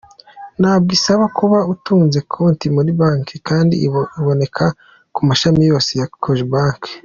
Ntabwo isaba kuba utunze konti muri banki kandi iboneka ku mashami yose ya Cogebanque.